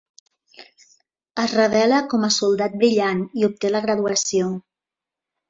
Es revela com a soldat brillant i obté la graduació.